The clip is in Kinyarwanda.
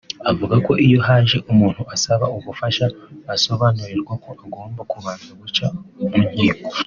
avuga ko iyo haje umuntu asaba ubufasha asobanurirwa ko agomba kubanza guca mu nkiko